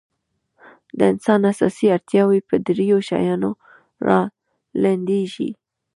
د انسان اساسي اړتیاوې په درېو شیانو رالنډېږي.